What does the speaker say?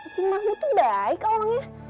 cing mahmud itu baik orangnya